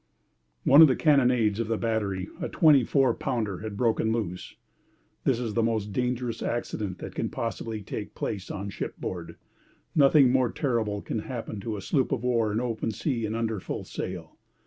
One of the carronades of the battery, a twenty four pounder, had broken loose. This is the most dangerous accident that can possibly take place on shipboard. Nothing more terrible can happen to a sloop of war in open sea and under full sail.